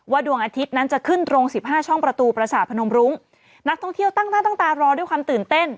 ดวงอาทิตย์นั้นจะขึ้นตรงสิบห้าช่องประตูประสาทพนมรุ้งนักท่องเที่ยวตั้งหน้าตั้งตารอด้วยความตื่นเต้น